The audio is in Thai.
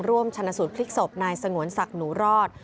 ชนะสูตรพลิกศพนายสงวนศักดิ์หนูรอด